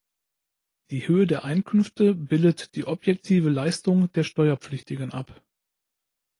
Die Höhe der Einkünfte bildet die objektive Leistung des Steuerpflichtigen ab.